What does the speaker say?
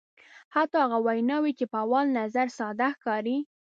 حتی هغه ویناوی چې په اول نظر ساده ښکاري.